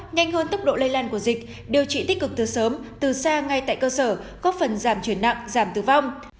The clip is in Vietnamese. nhanh hơn tốc độ lây lan của dịch điều trị tích cực từ sớm từ xa ngay tại cơ sở góp phần giảm chuyển nặng giảm tử vong